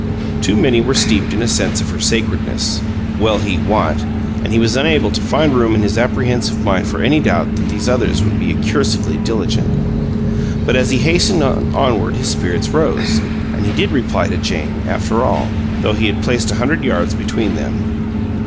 Too many were steeped in a sense of her sacredness, well he wot! and he was unable to find room in his apprehensive mind for any doubt that these others would be accursedly diligent. But as he hastened onward his spirits rose, and he did reply to Jane, after all, though he had placed a hundred yards between them.